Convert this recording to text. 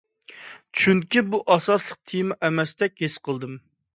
چۈنكى بۇ ئاساسلىق تېما ئەمەستەك ھېس قىلدىم.